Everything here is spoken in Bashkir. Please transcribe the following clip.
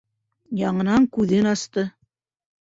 Яңынан күҙен асты.